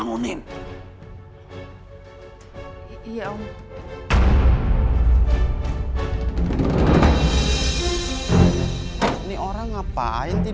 aku cuma pengen tahu aja